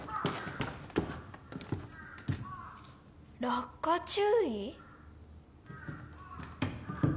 「落下注意」？